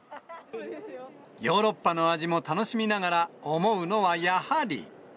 ヨーロッパの味も楽しみながら、思うのはやはり。